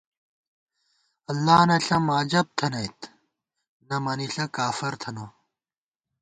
اللہ نہ ݪم عجَب تھنَئیت ، نَمَنِݪہ کافَر تھنہ